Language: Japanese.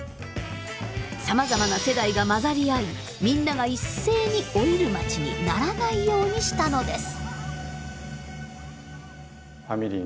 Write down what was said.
さまざまな世代が混ざり合いみんなが一斉に老いる町にならないようにしたのです。